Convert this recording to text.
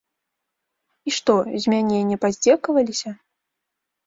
І што, з мяне не паздзекаваліся?